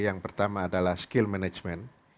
yang pertama adalah skill management